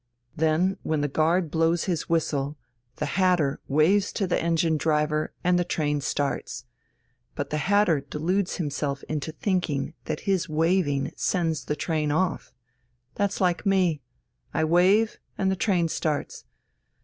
Then when the guard blows his whistle, 'the Hatter' waves to the engine driver, and the train starts. But 'the Hatter' deludes himself into thinking that his waving sends the train off. That's like me. I wave, and the train starts.